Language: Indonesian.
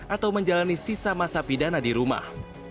atau menjalani sisa masa pidana di rumah